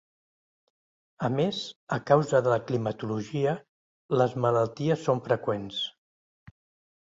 A més, a causa de la climatologia, les malalties són freqüents.